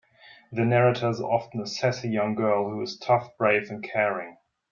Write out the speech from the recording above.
The narrator is often a sassy young girl who is tough, brave, and caring.